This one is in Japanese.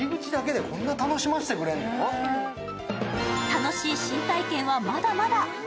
楽しい新体験はまだまだ。